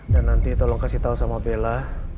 dan nanti tolong kasih tau sama bella